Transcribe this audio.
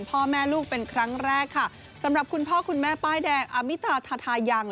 พ่อแม่ลูกเป็นครั้งแรกค่ะสำหรับคุณพ่อคุณแม่ป้ายแดงอามิตาทาทายัง